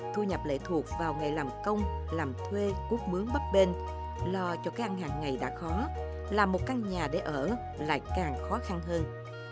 thu nhập lệ thuộc vào ngày làm công làm thuê cút mướn bắp bên lo cho cây ăn hàng ngày đã khó làm một căn nhà để ở lại càng khó khăn hơn